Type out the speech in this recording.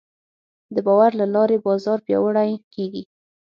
د باور له لارې بازار پیاوړی کېږي.